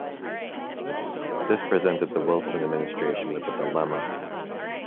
This presented the Wilson administration with a dilemma.